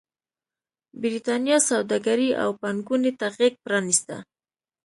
برېټانیا سوداګرۍ او پانګونې ته غېږ پرانېسته.